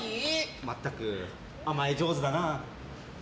全く甘え上手だな。